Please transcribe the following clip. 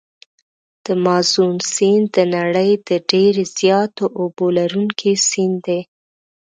د مازون سیند د نړۍ د ډېر زیاتو اوبو لرونکي سیند دی.